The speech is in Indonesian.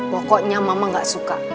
pokoknya mama gak suka